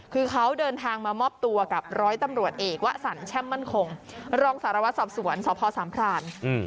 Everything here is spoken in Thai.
คือเขาเดินทางมามอบตัวกับร้อยตำรวจเอกวะสันแช่มมั่นคงรองสารวัตรสอบสวนสพสามพราน